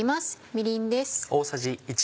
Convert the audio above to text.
みりんです。